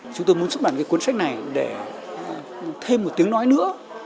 chúng tôi muốn xuất bản cái cuốn sách này để thêm một tiếng nói nữa